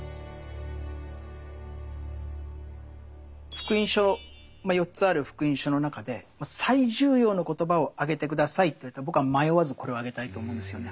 「福音書」４つある「福音書」の中で最重要の言葉を挙げて下さいと言われたら僕は迷わずこれを挙げたいと思うんですよね。